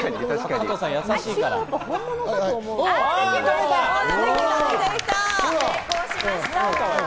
加藤さん、やさしいから。